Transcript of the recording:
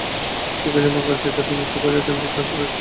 তোকে যেমন গান শেখাতুম, ইচ্ছে করছে তেমনি করে আজ তোকে শেখাই।